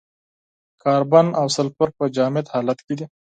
کاربن او سلفر په جامد حالت کې دي.